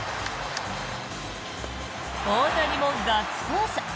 大谷もガッツポーズ。